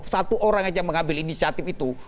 satu orang aja yang mengambil inisiatif itu